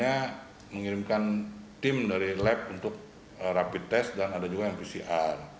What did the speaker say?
tapi ada beberapa penghuni yang majikannya mengirimkan tim dari lab untuk rapid test dan ada juga yang pcr